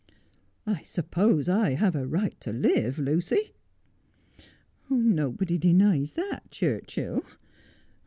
' I suppose I have a right to live, Lucy.' 'Nobody denies that, Churchill.